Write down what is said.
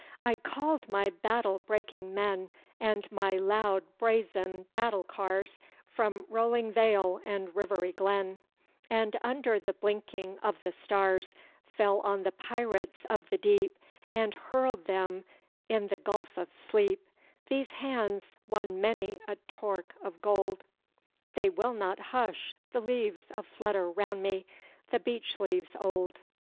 I called my battle breaking men And my loud brazen battle cars From rolling vale and rivery glen, And under the blinking of the stars Fell on the pirates of the deep, And hurled them in the gulph of sleep: These hands won many a torque of gold. They will not hush, the leaves a flutter round me, the beech leaves old.